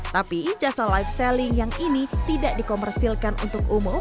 tapi jasa live selling yang ini tidak dikomersilkan untuk umum